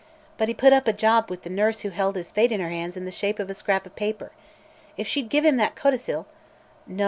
But he put up a job with the nurse who held his fate in her hands in the shape of scrap of paper. If she'd give him that codicil no!